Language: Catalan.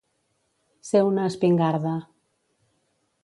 Ser una espingarda.